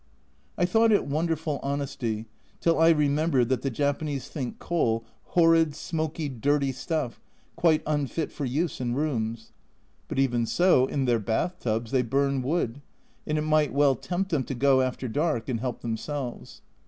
I thought it wonderful honesty till I lemembered that the Japanese think coal horrid, smoky, dirty stuff, quite unfit for use in rooms, but even so, in their bath tubs they burn wood, and it might well tempt them to go after dark and help themselves.